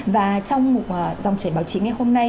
và trong dòng trải báo chí ngày hôm nay